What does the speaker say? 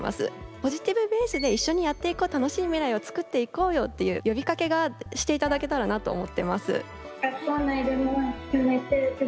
ポジティブベースで一緒にやっていこう楽しい未来を作っていこうよっていう呼びかけがして頂けたらなと思ってます。